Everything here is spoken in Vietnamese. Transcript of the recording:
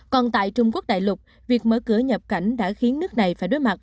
còn tại trung quốc đại lục việc mở cửa nhập cảnh đã khiến nước này phải đối mặt